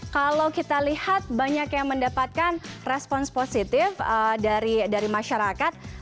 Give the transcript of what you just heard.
kalau kita lihat banyak yang mendapatkan respons positif dari masyarakat